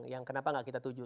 yang kenapa nggak kita tuju